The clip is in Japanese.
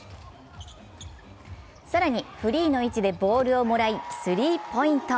更に、フリーの位置でボールをもらい、スリーポイント。